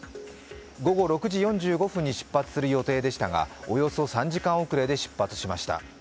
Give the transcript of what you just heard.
午後６時４５分に出発する予定でしたがおよそ３時間遅れで出発しました。